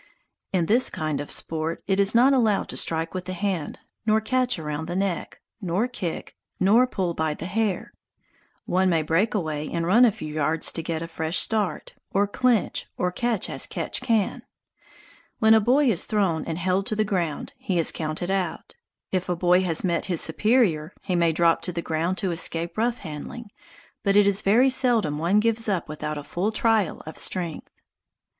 In this kind of sport it is not allowed to strike with the hand, nor catch around the neck, nor kick, nor pull by the hair. One may break away and run a few yards to get a fresh start, or clinch, or catch as catch can. When a boy is thrown and held to the ground, he is counted out. If a boy has met his superior, he may drop to the ground to escape rough handling, but it is very seldom one gives up without a full trial of strength.